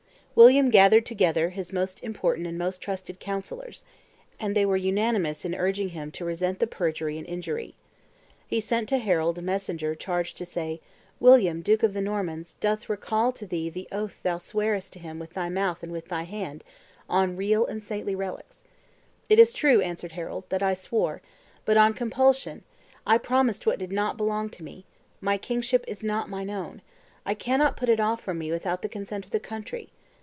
William gathered together his most important and most trusted counsellors; and they were unanimous in urging him to resent the perjury and injury. He sent to Harold a messenger charged to say, "William, duke of the Normans, doth recall to thee the oath thou swarest to him with thy mouth and with thy hand, on real and saintly relics." "It is true," answered Harold, "that I swore, but on compulsion; I promised what did not belong to me; my kingship is not mine own; I cannot put it off from me without the consent of the country.